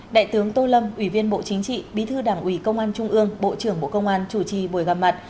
đại tướng tô lâm ủy viên bộ chính trị bí thư đảng ủy công an trung ương bộ trưởng bộ công an chủ trì buổi gặp mặt